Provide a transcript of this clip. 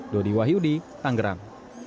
dodi wahyudi tanggerang